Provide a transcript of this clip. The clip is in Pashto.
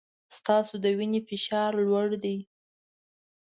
ستاسو د وینې فشار لوړ دی.